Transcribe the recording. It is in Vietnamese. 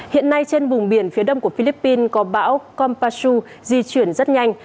hiện nay trên vùng biển phía đông của philippines có bão kompasu di chuyển rất nhanh